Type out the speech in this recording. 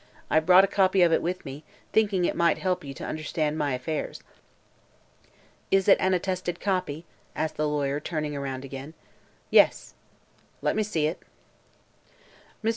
"I've brought a copy of it with me, thinking it might help you to understand my affairs." "Is it an attested copy?" asked the lawyer, turning around again. "Yes." "Let me see it." Mr.